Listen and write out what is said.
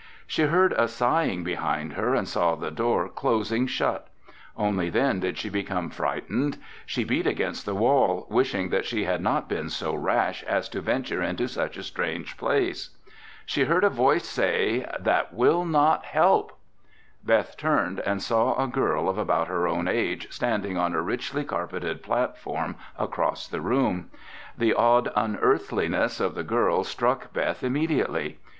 She heard a sighing behind her and saw the door closing shut. Only then did she become frightened. She beat against the wall, wishing that she had not been so rash as to venture into such a strange place. She heard a voice say, "That will not help." Beth turned and saw a girl of about her own age standing on a richly carpeted platform across the room. The odd unearthliness of the girl struck Beth immediately.